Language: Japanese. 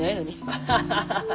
アハハハハ。